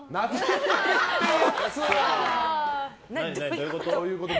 どういうこと？